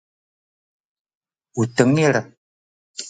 u tengil